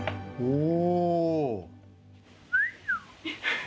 おお。